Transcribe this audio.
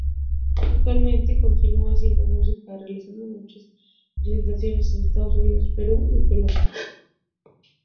Actualmente continúa haciendo música realizando muchas presentaciones en Estados Unidos, Perú y Colombia.